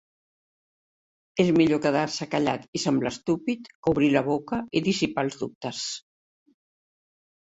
És millor quedar-se callat i semblar estúpid que obrir la boca i dissipar els dubtes.